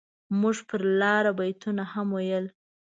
موږ پر لاره بيتونه هم ويل.